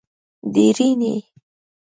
درېنۍ